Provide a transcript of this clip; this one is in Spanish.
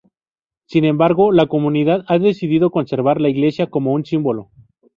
Sin embargo, la comunidad ha decidido conservar la iglesia como un símbolo.